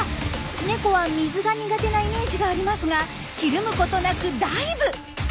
ネコは水が苦手なイメージがありますがひるむことなくダイブ。